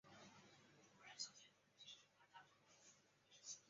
长冠鼠尾草为唇形科鼠尾草属的植物。